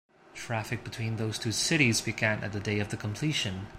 Traffic between those two cities began at the day of completion.